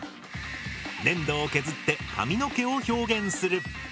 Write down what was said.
粘土を削って髪の毛を表現する。